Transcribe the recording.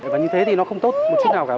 và như thế thì nó không tốt một chút nào cả